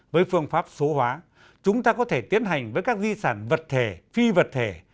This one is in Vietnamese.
với phương pháp số hóa chúng ta có thể tiến hành với các di sản vật thể phi vật thể